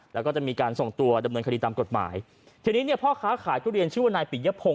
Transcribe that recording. แล้วก็จะมีการส่งตัวดำเนินคดีตามกฎหมายทีนี้เนี่ยพ่อค้าขายทุเรียนชื่อว่านายปิยพงศ